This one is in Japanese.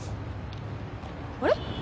あれ？